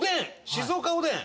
静岡おでん。